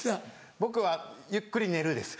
僕は「ゆっくり寝る」です。